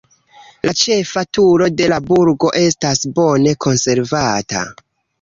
La ĉefa turo de la burgo estas bone konservata.